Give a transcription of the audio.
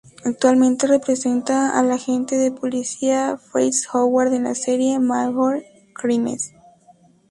Actualmente representa al agente de la policía Fritz Howard en la serie "Major Crimes".